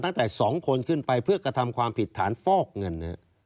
ตั้งแต่๒คนขึ้นไปเพื่อกระทำความผิดฐานฟอกเงิน